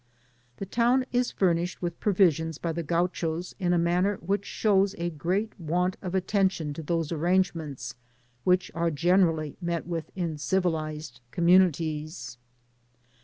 The town is furnished with provisions by the Gauchos in a manner that shows a great want of attention to those arrangements which are generally met with in civilised communities.